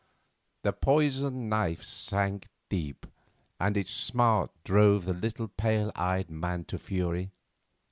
The poisoned knife sank deep, and its smart drove the little pale eyed man to fury.